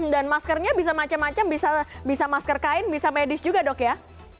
dan maskernya bisa macam macam bisa masker kain bisa medis juga dok ya